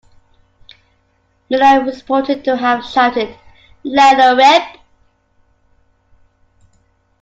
Miller is reported to have shouted, Let 'er rip!